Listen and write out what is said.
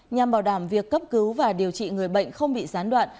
nhằm bảo đảm việc cấp cứu và điều trị người bệnh không bị gián đoạn